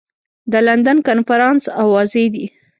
د لندن کنفرانس اوازې دي.